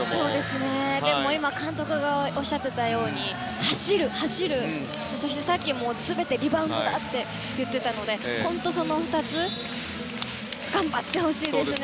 でも今、監督がおっしゃっていたように走る、走る、そしてさっきも全てリバウンドだと言っていたので、本当その２つを頑張ってほしいですね。